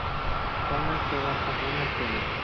Homer lleva a Homer Jr.